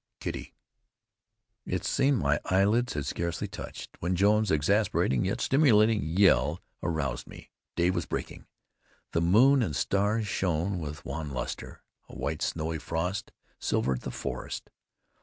KITTY It seemed my eyelids had scarcely touched when Jones's exasperating, yet stimulating, yell aroused me. Day was breaking. The moon and stars shone with wan luster. A white, snowy frost silvered the forest.